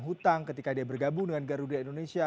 hutang ketika dia bergabung dengan garuda indonesia